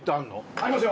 ありますよ！